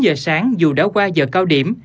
chín giờ sáng dù đã qua giờ cao điểm